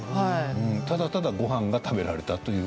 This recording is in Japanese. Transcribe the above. ただただごはんが食べられたと。